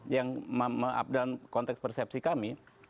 yang dalam konteks persepsi kami